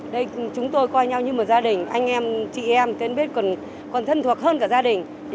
đây chúng tôi coi nhau như một gia đình anh em chị em tên biết còn thân thuộc hơn cả gia đình